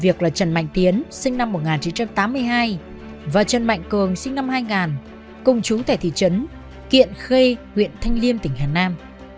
việc là trần mạnh tiến sinh năm một nghìn chín trăm tám mươi hai và trần mạnh cường sinh năm hai nghìn cùng chú tại thị trấn kiện khê huyện thanh liêm tỉnh hà nam